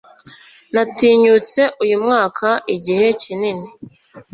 Natinyutse uyu mwanya igihe kinini.